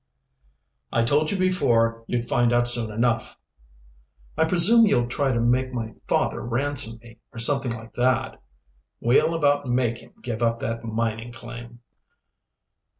"I told you before you'd find out soon enough." "I presume you'll try to make my father ransom me, or something like that." "We'll about make him give up that mining claim."